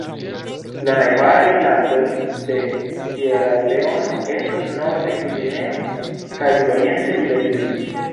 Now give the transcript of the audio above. La najbaraj landoj de Sieraleono estas norde Gvineo kaj sudoriente Liberio.